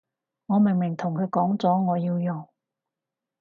我明明同佢講咗我要用